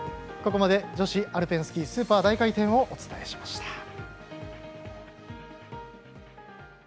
ここまで女子アルペンスキースーパー大回転をお伝えしました。